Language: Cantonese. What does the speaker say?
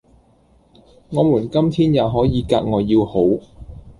我們今天也可以格外要好，